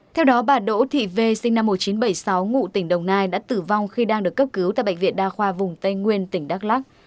theo đó bà đỗ thị v sinh năm một nghìn chín trăm bảy mươi sáu ngụ tỉnh đồng nai đã tử vong khi đang được cấp cứu tại bệnh viện đa khoa vùng tây nguyên tỉnh đắk lắc